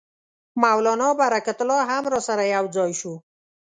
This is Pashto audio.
مولنا برکت الله هم راسره یو ځای شو.